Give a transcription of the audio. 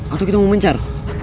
atau kita mau mencar